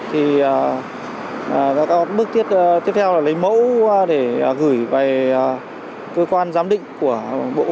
thì bước tiếp theo là lấy mẫu để gửi về cơ quan giám định của bộ quốc an